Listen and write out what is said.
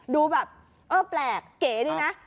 ดูแบบเออแปลกเก๋ดีนะ